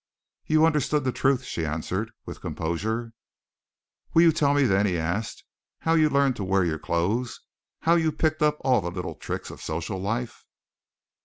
"You understood the truth," she answered, with composure. "Will you tell me, then," he asked, "how you learned to wear your clothes? how you picked up all the little tricks of social life?"